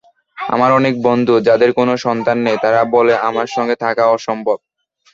আমার অনেক বন্ধু, যাদের কোনো সন্তান নেই তারা বলে, আমার সঙ্গে থাকা অসম্ভব।